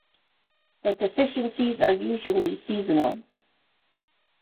The deficiencies are usually seasonal.